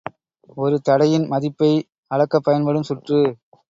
ஒரு தடையின் மதிப்பை அளக்கப் பயன்படும் சுற்று.